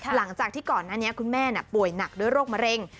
หลังจากที่ก่อนหน้านี้คุณแม่ป่วยหนักด้วยโรคมะเร็ง